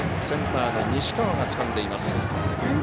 センターの西川がつかんでいます。